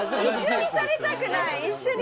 一緒にされたくない。